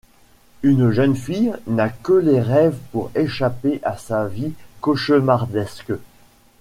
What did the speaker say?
Une jeune fille n'a que les rêves pour échapper à sa vie cauchemardesque.